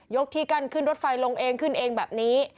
ที่กั้นขึ้นรถไฟลงเองขึ้นเองแบบนี้